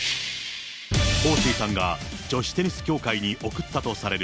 彭帥さんが女子テニス協会に送ったとされる